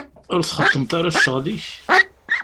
Ur txeddmeḍ ara ccɣel-ik?